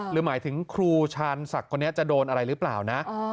หรือหมายถึงครูชาญศักดิ์คนนี้จะโดนอะไรหรือเปล่านะ